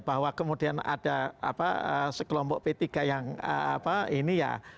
bahwa kemudian ada sekelompok p tiga yang apa ini ya